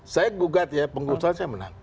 saya gugat ya pengusaha saya menang